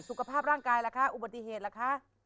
สุขภาพร่างกายล่ะคะอุบัติเหตุล่ะคะ